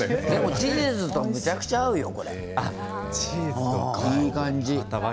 チーズとめちゃくちゃ合うよ、これ。